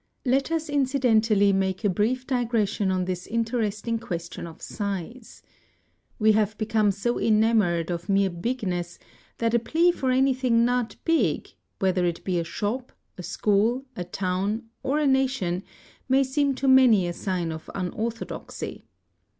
Let us incidentally make a brief digression on this interesting ques tion of size. We have become so enamored of mere bigness that a plea for anything not big, whether it be a shop, a school, a town, or a nation may seem to many a sign of unorthodoxy.